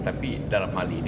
tapi dalam hal ini